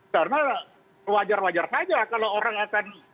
karena wajar wajar saja kalau orang akan